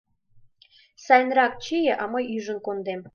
Сайынрак чие, а мый ӱжын кондем.